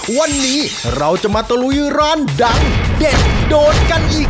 วันนี้เราจะมาตะลุยร้านดังเด็ดโดดกันอีก